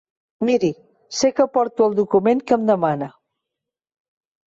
Miri, sé que porto el document que em demana.